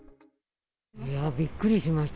いやぁ、びっくりしました。